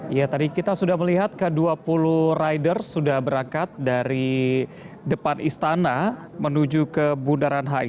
ya tadi kita sudah melihat ke dua puluh rider sudah berangkat dari depan istana menuju ke bundaran hi